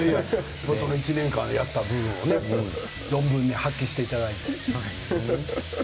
１年間やったことを存分に発揮していただいて。